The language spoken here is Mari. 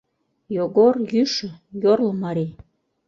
Йогор — йӱшӧ, йорло марий.